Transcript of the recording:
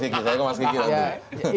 saya mau masuk ke gk saya ke mas gk nanti